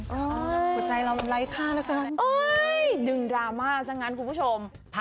อ๋อหัวใจเรามันไร้ค่านะสังโอ้ยดึงดราม่าซะงั้นคุณผู้ชม